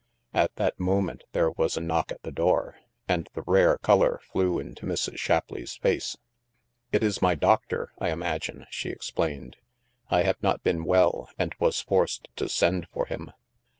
At that moment, there was a knock at the door, and the rare color flew into Mrs. Shapleigh's face. " It is my doctor, I imagine," she explained. " I have not been well and was forced to send for him."